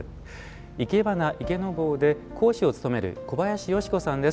いけばな池坊で講師を務める小林義子さんです。